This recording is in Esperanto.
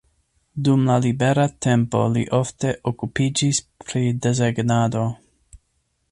Dum la libera tempo li ofte okupiĝis pri desegnado.